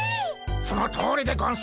そのとおりでゴンス。